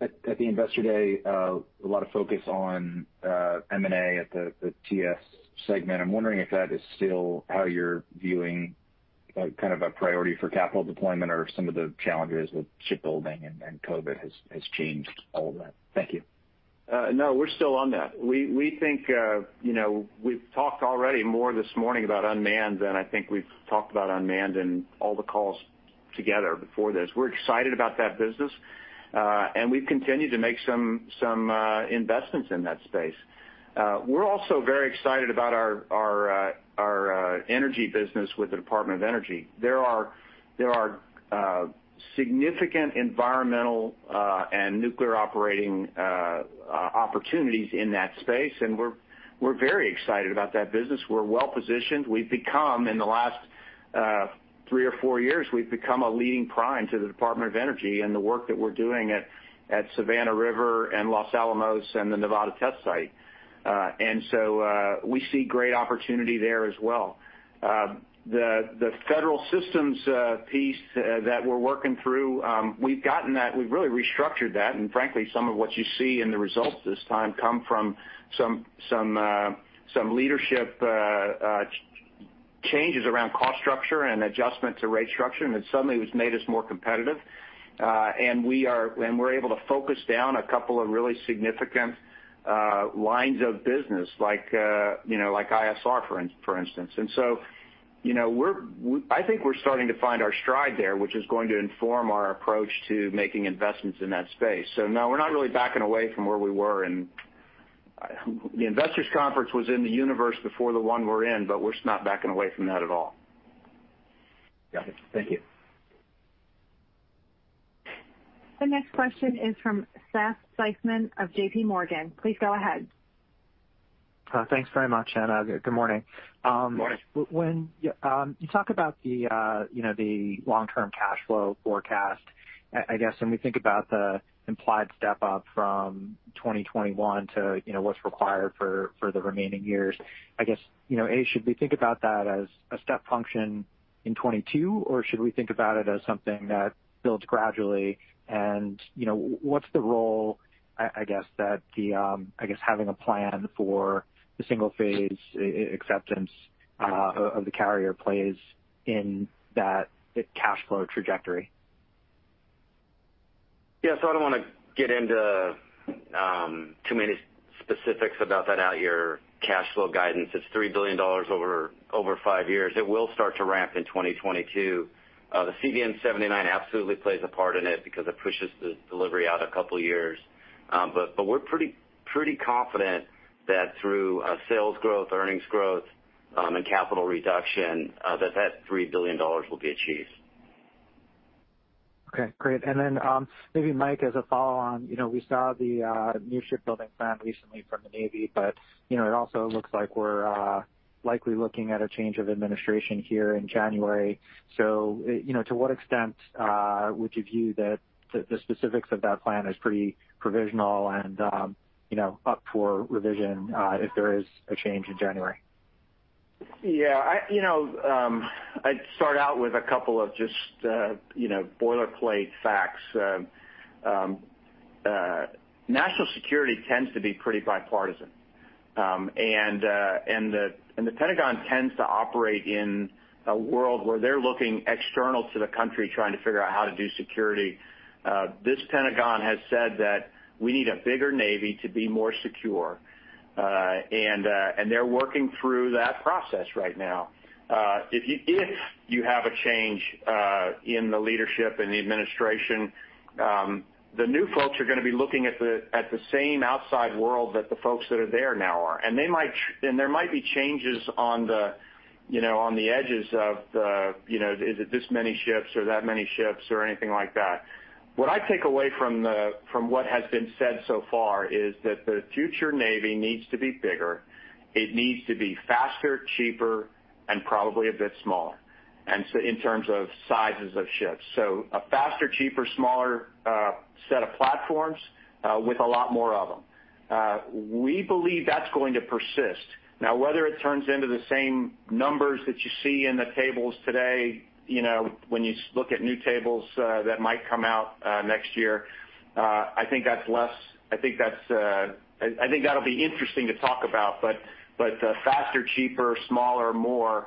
at the investor day, a lot of focus on M&A at the TS segment. I'm wondering if that is still how you're viewing kind of a priority for capital deployment or some of the challenges with shipbuilding and COVID has changed all of that? Thank you. No, we're still on that. We think we've talked already more this morning about unmanned than I think we've talked about unmanned in all the calls together before this. We're excited about that business, and we've continued to make some investments in that space. We're also very excited about our energy business with the Department of Energy. There are significant environmental and nuclear operating opportunities in that space, and we're very excited about that business. We're well-positioned. In the last three or four years, we've become a leading prime to the Department of Energy and the work that we're doing at Savannah River and Los Alamos and the Nevada Test Site. And so we see great opportunity there as well. The federal systems piece that we're working through, we've gotten that. We've really restructured that. And frankly, some of what you see in the results this time come from some leadership changes around cost structure and adjustment to rate structure. And it suddenly has made us more competitive. And we're able to focus down a couple of really significant lines of business, like ISR, for instance. And so I think we're starting to find our stride there, which is going to inform our approach to making investments in that space. So no, we're not really backing away from where we were. And the investors' conference was in the universe before the one we're in, but we're not backing away from that at all. Got it. Thank you. The next question is from Seth Seifman of J.P. Morgan. Please go ahead. Thanks very much, Anna. Good morning. Good morning. When you talk about the long-term cash flow forecast, I guess when we think about the implied step-up from 2021 to what's required for the remaining years, I guess, should we think about that as a step function in 2022, or should we think about it as something that builds gradually? And what's the role, I guess, that the, I guess, having a plan for the single-phase acceptance of the carrier plays in that cash flow trajectory? Yeah. So, I don't want to get into too many specifics about that out-year cash flow guidance. It's $3 billion over five years. It will start to ramp in 2022. The CVN 79 absolutely plays a part in it because it pushes the delivery out a couple of years. But we're pretty confident that through sales growth, earnings growth, and capital reduction, that that $3 billion will be achieved. Okay. Great. And then maybe, Mike, as a follow-on, we saw the new shipbuilding plan recently from the Navy, but it also looks like we're likely looking at a change of administration here in January. So to what extent would you view that the specifics of that plan are pretty provisional and up for revision if there is a change in January? Yeah. I'd start out with a couple of just boilerplate facts. National security tends to be pretty bipartisan. And the Pentagon tends to operate in a world where they're looking external to the country trying to figure out how to do security. This Pentagon has said that we need a bigger Navy to be more secure, and they're working through that process right now. If you have a change in the leadership and the administration, the new folks are going to be looking at the same outside world that the folks that are there now are. And there might be changes on the edges of, is it this many ships or that many ships or anything like that. What I take away from what has been said so far is that the future Navy needs to be bigger. It needs to be faster, cheaper, and probably a bit smaller in terms of sizes of ships. So a faster, cheaper, smaller set of platforms with a lot more of them. We believe that's going to persist. Now, whether it turns into the same numbers that you see in the tables today when you look at new tables that might come out next year, I think that's less. I think that'll be interesting to talk about, but the faster, cheaper, smaller, more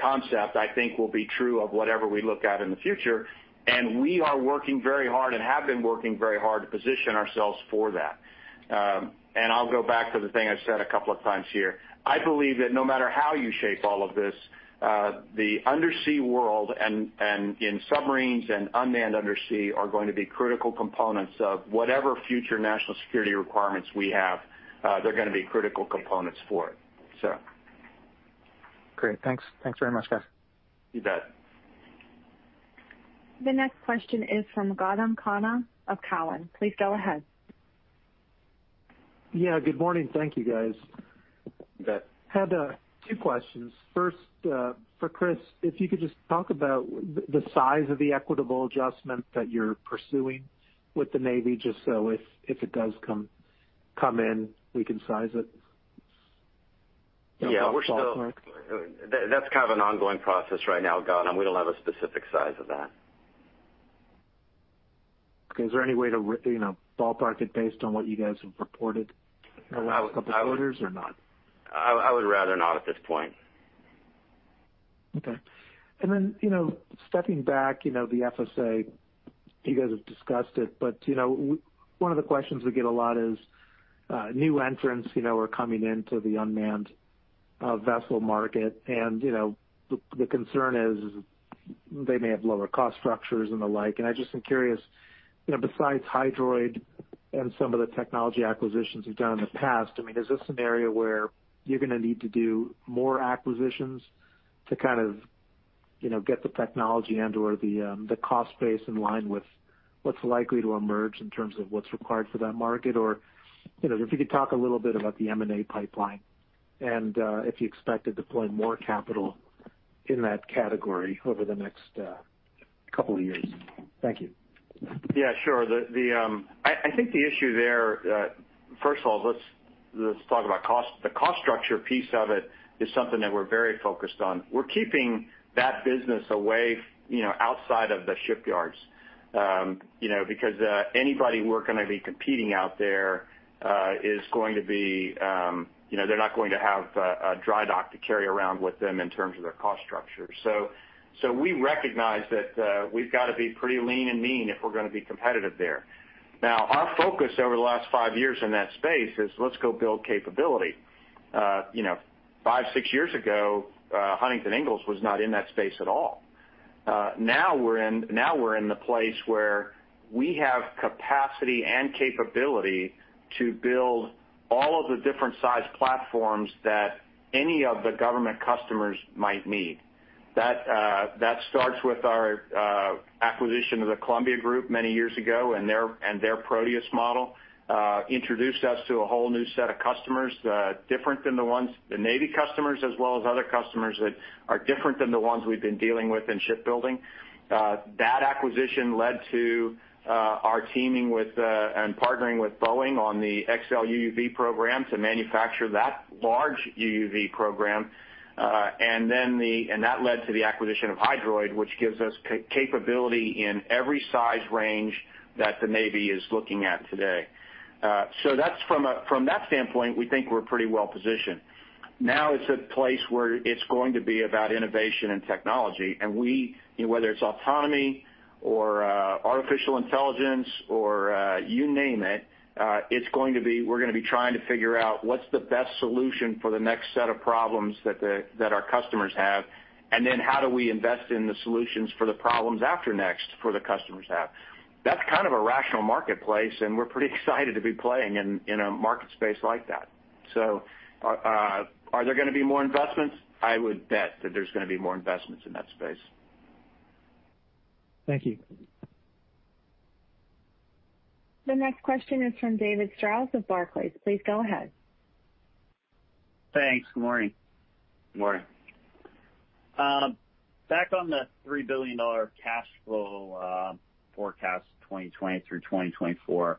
concept, I think, will be true of whatever we look at in the future. And we are working very hard and have been working very hard to position ourselves for that. And I'll go back to the thing I said a couple of times here. I believe that no matter how you shape all of this, the undersea world and in submarines and unmanned undersea are going to be critical components of whatever future national security requirements we have. They're going to be critical components for it, so. Great. Thanks. Thanks very much, guys. You bet. The next question is from Gautam Khanna of Cowen. Please go ahead. Yeah. Good morning. Thank you, guys. You bet. Had two questions. First, for Chris, if you could just talk about the size of the equitable adjustment that you're pursuing with the Navy, just so if it does come in, we can size it. Yeah. That's kind of an ongoing process right now, Gautam. We don't have a specific size of that. Okay. Is there any way to ballpark it based on what you guys have reported in the last couple of quarters or not? I would rather not at this point. Okay. And then stepping back, the FSA, you guys have discussed it, but one of the questions we get a lot is new entrants are coming into the unmanned vessel market. And the concern is they may have lower cost structures and the like. And I just am curious, besides Hydroid and some of the technology acquisitions we've done in the past, I mean, is this an area where you're going to need to do more acquisitions to kind of get the technology and/or the cost base in line with what's likely to emerge in terms of what's required for that market? Or if you could talk a little bit about the M&A pipeline and if you expect to deploy more capital in that category over the next couple of years. Thank you. Yeah. Sure. I think the issue there, first of all, let's talk about the cost structure piece of it is something that we're very focused on. We're keeping that business away outside of the shipyards because anybody who we're going to be competing out there is going to be they're not going to have a dry dock to carry around with them in terms of their cost structure. So we recognize that we've got to be pretty lean and mean if we're going to be competitive there. Now, our focus over the last five years in that space is let's go build capability. Five, six years ago, Huntington Ingalls was not in that space at all. Now we're in the place where we have capacity and capability to build all of the different size platforms that any of the government customers might need. That starts with our acquisition of the Columbia Group many years ago and their Proteus model, introduced us to a whole new set of customers different than the Navy customers, as well as other customers that are different than the ones we've been dealing with in shipbuilding. That acquisition led to our teaming and partnering with Boeing on the XLUUV program to manufacture that large UUV program, and that led to the acquisition of Hydroid, which gives us capability in every size range that the Navy is looking at today, so from that standpoint, we think we're pretty well-positioned. Now it's a place where it's going to be about innovation and technology. And whether it's autonomy or artificial intelligence or you name it, it's going to be we're going to be trying to figure out what's the best solution for the next set of problems that our customers have, and then how do we invest in the solutions for the problems after next for the customers have. That's kind of a rational marketplace, and we're pretty excited to be playing in a market space like that. So are there going to be more investments? I would bet that there's going to be more investments in that space. Thank you. The next question is from David Strauss of Barclays. Please go ahead. Thanks. Good morning. Good morning. Back on the $3 billion cash flow forecast 2020 through 2024,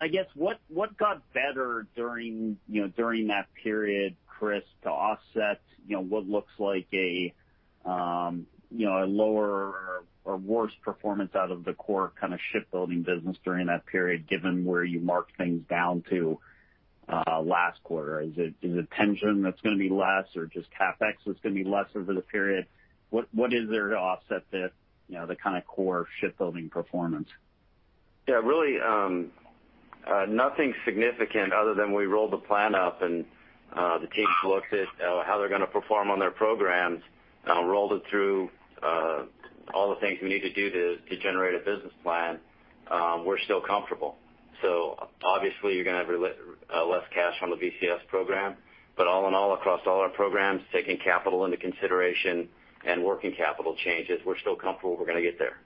I guess what got better during that period, Chris, to offset what looks like a lower or worse performance out of the core kind of shipbuilding business during that period, given where you marked things down to last quarter? Is it pension that's going to be less or just CapEx that's going to be less over the period? What is there to offset the kind of core shipbuilding performance? Yeah. Really, nothing significant other than we rolled the plan up, and the team looked at how they're going to perform on their programs, rolled it through all the things we need to do to generate a business plan. We're still comfortable. So obviously, you're going to have less cash on the VCS program. But all in all, across all our programs, taking capital into consideration and working capital changes, we're still comfortable we're going to get there.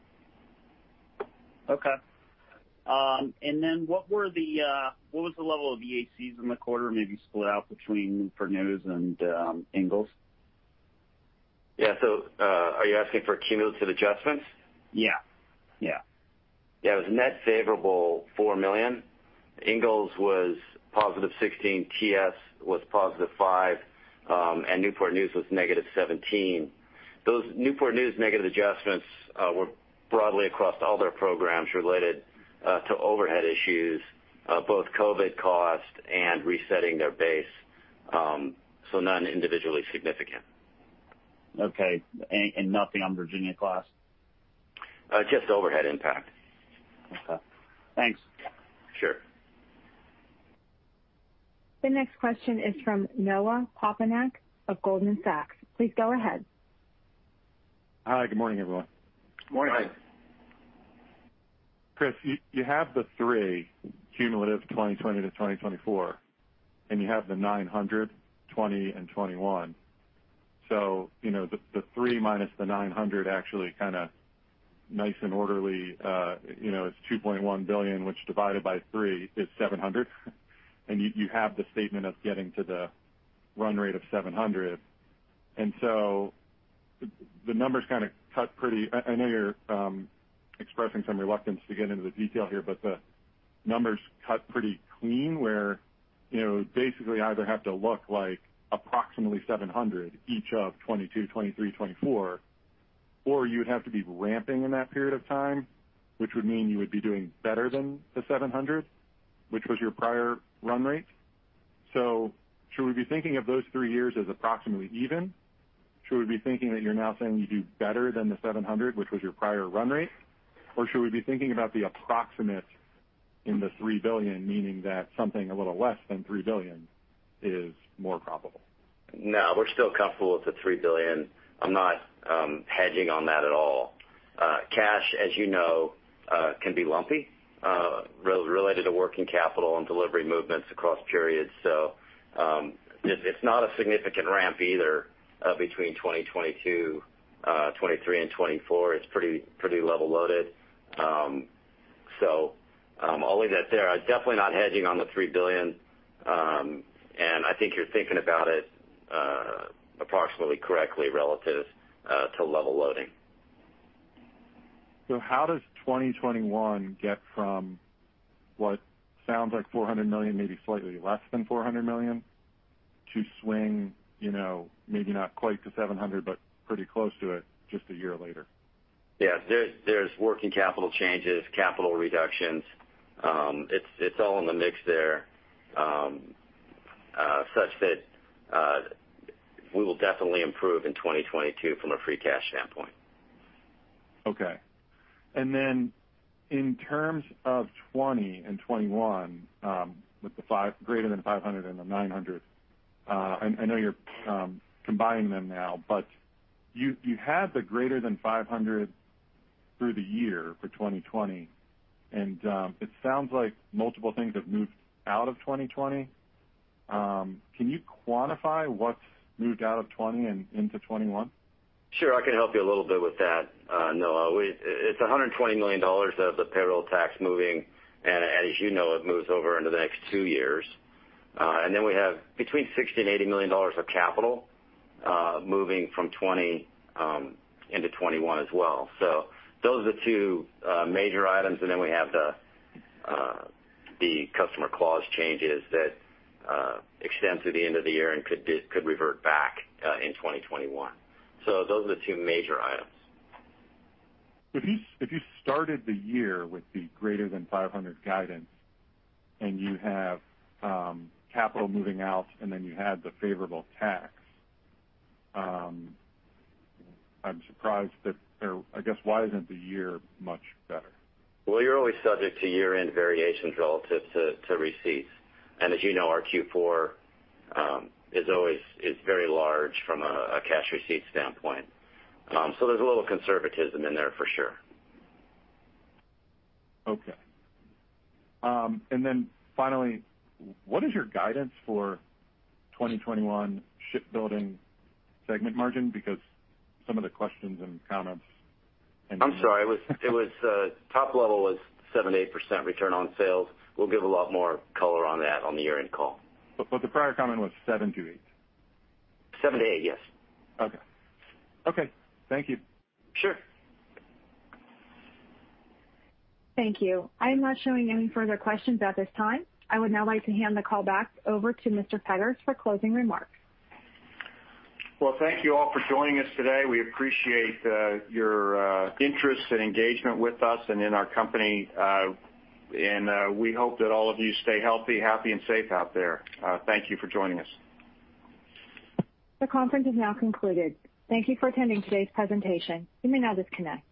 Okay. And then what was the level of VACs in the quarter, maybe split out between Newport News and Ingalls? Yeah, so are you asking for cumulative adjustments? Yeah. Yeah. Yeah. It was net favorable $4 million. Ingalls was positive $16 million, TS was positive $5 million, and Newport News was negative $17 million. Those Newport News negative adjustments were broadly across all their programs related to overhead issues, both COVID cost and resetting their base, so none individually significant. Okay, and nothing on Virginia-class? Just overhead impact. Okay. Thanks. Sure. The next question is from Noah Poponak of Goldman Sachs. Please go ahead. Hi. Good morning, everyone. Good morning. Hi. Chris, you have the $3 billion cumulative 2020 to 2024, and you have the $900 million, 2020, and 2021. So the $3 billion minus the $900 million actually kind of nice and orderly. It's $2.1 billion, which divided by 3 is $700 million. And you have the statement of getting to the run rate of $700 million. And so the numbers kind of cut pretty. I know you're expressing some reluctance to get into the detail here, but the numbers cut pretty clean where basically you either have to look like approximately $700 million each of 2022, 2023, 2024, or you would have to be ramping in that period of time, which would mean you would be doing better than the $700 million, which was your prior run rate. So should we be thinking of those three years as approximately even? Should we be thinking that you're now saying you do better than the $700, which was your prior run rate? Or should we be thinking about the approximate in the $3 billion, meaning that something a little less than $3 billion is more probable? No, we're still comfortable with the $3 billion. I'm not hedging on that at all. Cash, as you know, can be lumpy related to working capital and delivery movements across periods. So it's not a significant ramp either between 2022, 2023, and 2024. It's pretty level loaded. So I'll leave that there. I'm definitely not hedging on the $3 billion. And I think you're thinking about it approximately correctly relative to level loading. So how does 2021 get from what sounds like $400 million, maybe slightly less than $400 million, to swing maybe not quite to $700 but pretty close to it just a year later? Yeah. There's working capital changes, capital reductions. It's all in the mix there such that we will definitely improve in 2022 from a free cash standpoint. Okay. And then in terms of 2020 and 2021, with the greater than 500 and the 900, I know you're combining them now, but you had the greater than 500 through the year for 2020. And it sounds like multiple things have moved out of 2020. Can you quantify what's moved out of 2020 and into 2021? Sure. I can help you a little bit with that, Noah. It's $120 million of the payroll tax moving. And as you know, it moves over into the next two years. And then we have between $60 million and $80 million of capital moving from 2020 into 2021 as well. So those are the two major items. And then we have the contract clause changes that extend to the end of the year and could revert back in 2021. So those are the two major items. If you started the year with the greater than 500 guidance and you have capital moving out and then you had the favorable tax, I'm surprised that I guess why isn't the year much better? You're always subject to year-end variations relative to receipts. As you know, our Q4 is very large from a cash receipt standpoint. There's a little conservatism in there for sure. Okay. And then finally, what is your guidance for 2021 shipbuilding segment margin? Because some of the questions and comments and. I'm sorry. It was top level 7-8% return on sales. We'll give a lot more color on that on the year-end call. But the prior comment was 7 to 8. 7 to 8, yes. Okay. Okay. Thank you. Sure. Thank you. I'm not showing any further questions at this time. I would now like to hand the call back over to Mr. Petters for closing remarks. Thank you all for joining us today. We appreciate your interest and engagement with us and in our company. We hope that all of you stay healthy, happy, and safe out there. Thank you for joining us. The conference is now concluded. Thank you for attending today's presentation. You may now disconnect.